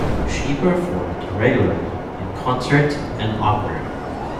She performed regularly in concert and opera.